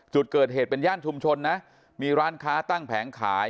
จุดเกิดเหตุเป็นย่านชุมชนนะมีร้านค้าตั้งแผงขาย